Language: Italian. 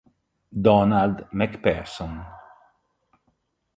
Donald McPherson